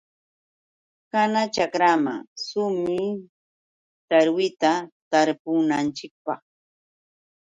Kana chakraman sumuy. Tarwita tarpunanchikpaq.